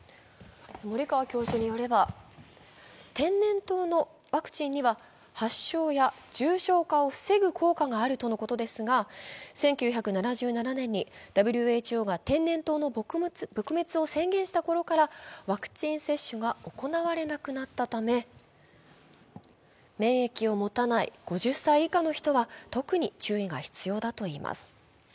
森川教授によれば、天然痘のワクチンには発症や重症化を防ぐ効果があるとのことですが１９７７年にＷＨＯが天然痘の撲滅を宣言した頃からワクチン接種が行われなくなったため、免疫を持たない５０歳以下の人は特に注意が必要だといいます。